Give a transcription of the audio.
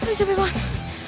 aduh capek banget